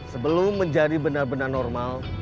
sebelum menjadi benar benar normal